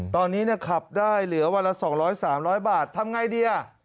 ตอนนี้ขับได้เหลือวันละ๒๐๐๓๐๐บาททำไงดี